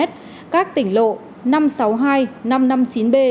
các tỉnh lộ năm trăm sáu mươi hai năm trăm năm mươi chín b